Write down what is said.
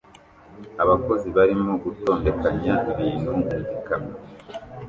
Abakozi barimo gutondekanya ibintu mu gikamyo